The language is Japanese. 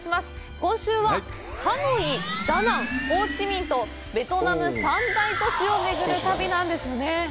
今週はハノイ、ダナン、ホーチミンとベトナム三大都市をめぐる旅なんですね。